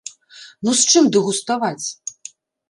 Ну з чым дэгуставаць?